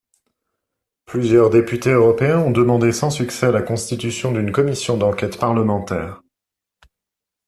Plusieurs députés européens ont demandé sans succès la constitution d'une commission d'enquête parlementaire.